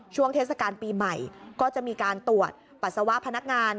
ช่วงเทศกาลปีใหม่ก็จะมีการตรวจปัสสาวะพนักงาน